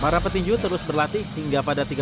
para petinju terus berlatih hingga pada tiga puluh